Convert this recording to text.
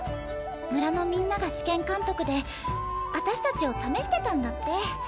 村のみんなが試験監督で私達を試してたんだって